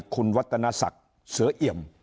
คุณวัตนศักดิ์เสือเอี่ยม